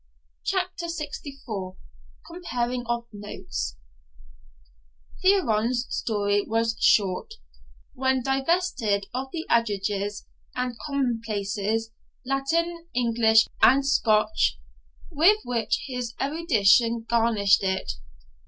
CHAPTER LXIV COMPARING OF NOTES Thearon's story was short, when divested of the adages and commonplaces, Latin, English, and Scotch, with which his erudition garnished it.